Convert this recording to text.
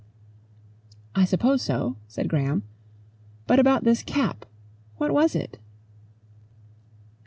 "I suppose so," said Graham. "But about this cap what was it?"